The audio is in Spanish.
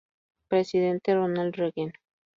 Presidente Ronald Reagan.